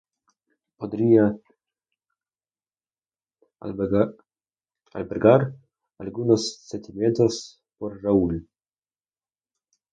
Podría albergar algunos sentimientos por Raúl.